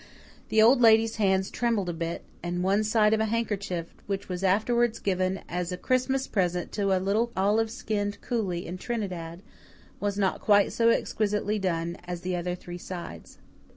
The Old Lady's hands trembled a little, and one side of a handkerchief, which was afterwards given as a Christmas present to a little olive skinned coolie in Trinidad, was not quite so exquisitely done as the other three sides.